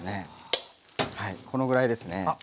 はいこのぐらいですね。